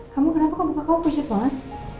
kamu kenapa kamu puket banget